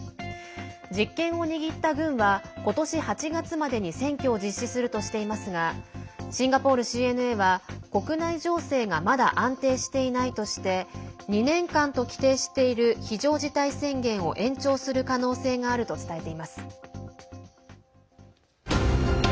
実権を握った軍は今年８月までに選挙を実施するとしていますがシンガポールＣＮＡは国内情勢がまだ安定していないとして２年間と規定している非常事態宣言を延長する可能性があると伝えています。